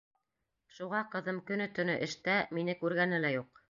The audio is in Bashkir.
Шуға ҡыҙым көнө-төнө эштә, мине күргәне лә юҡ.